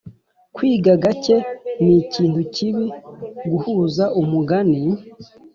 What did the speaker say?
kwiga gake nikintu kibi guhuza umugani